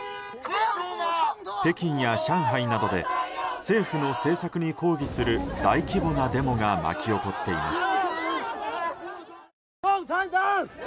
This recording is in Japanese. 北京や上海などで政府の政策に抗議する大規模なデモが巻き起こっています。